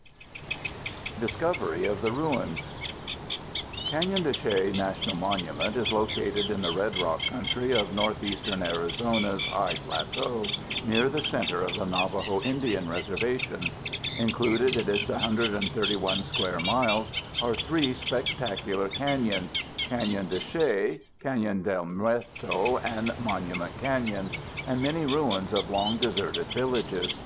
] Discovery of the Ruins Canyon de Chelly National Monument is located in the red rock country of northeastern Arizona's high plateau, near the center of the Navajo Indian Reservation. Included in its 131 square miles are three spectacular canyons—Canyon de Chelly, Canyon del Muerto, and Monument Canyon—and many ruins of long deserted villages.